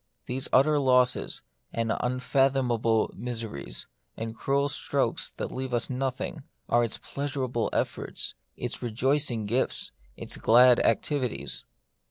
These utter losses, and unfathomable miseries, and cruel strokes that leave us nothing, are its pleasurable efforts, its rejoicing gifts, its glad activities.